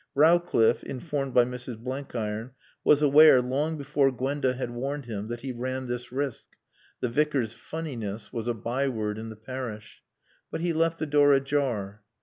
Rowcliffe, informed by Mrs. Blenkiron, was aware, long before Gwenda had warned him, that he ran this risk. The Vicar's funniness was a byword in the parish. But he left the door ajar.